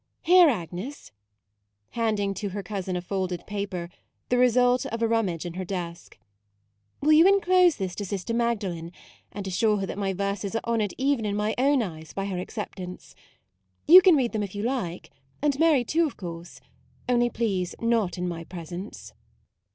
Here, Agnes," handing to her cousin a folded paper, the result of a rum mage in her desk; u will you enclose this to Sister Magdalen, and assure her that my verses are honoured even in my own eyes by her accept ance. You can read them if you like, and Mary too, of course; only please not in my presence."